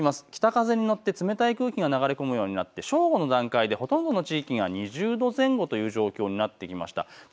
北風に乗って冷たい空気が流れ込むようになって正午の段階でほとんどの地域が２０度前後となってきました。